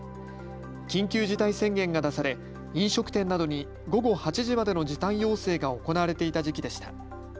緊急事態宣言が出され飲食店などに午後８時までの時短要請が行われていた時期でした。